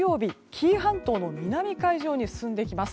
紀伊半島の南海上に進んできます。